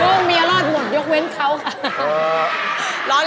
เมียรอดหมดยกเว้นเขาค่ะ